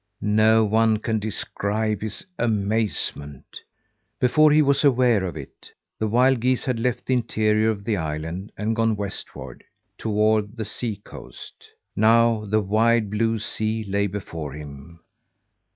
No one can describe his amazement. Before he was aware of it, the wild geese had left the interior of the island and gone westward toward the sea coast. Now the wide, blue sea lay before him.